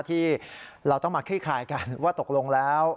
ที่เราต้องมาคลี่คลายกันว่าตกลงแล้ว